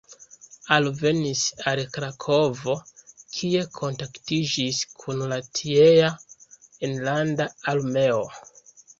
Alvenis al Krakovo, kie kontaktiĝis kun la tiea Enlanda Armeo.